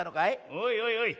おいおいおい。